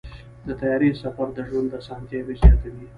د طیارې سفر د ژوند اسانتیاوې زیاتوي.